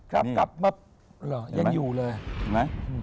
กลับมายังอยู่เลย